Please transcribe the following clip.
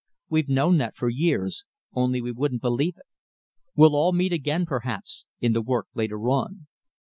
We've known that for years, only we wouldn't believe it. We'll all meet again, perhaps, in the work later on."